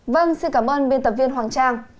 vâng xin cảm ơn biên tập viên hoàng trang